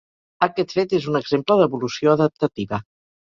Aquest fet és un exemple d'evolució adaptativa.